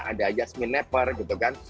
ada yasmin nepper gitu kan